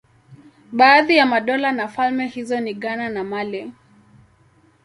Baadhi ya madola na falme hizo ni Ghana na Mali.